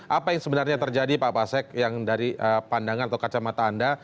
apa yang sebenarnya terjadi pak pasek yang dari pandangan atau kacamata anda